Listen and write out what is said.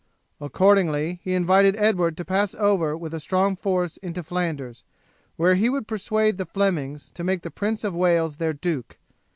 Accordingly he invited Edward to pass over with a strong force into Flanders, where he would persuade the Flemings to make the Prince of Wales their duke.